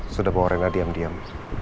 sudah bawa rela diam diam